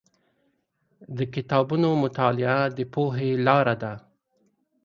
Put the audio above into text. د کتابونو مطالعه د پوهې لاره ده.